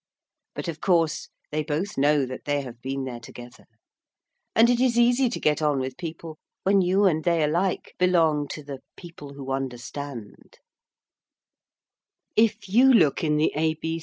But of course they both know that they have been there together, and it is easy to get on with people when you and they alike belong to the Peoplewhounderstand. If you look in the A.